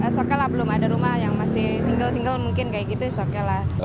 soalnya lah belum ada rumah yang masih single single mungkin kayak gitu soalnya lah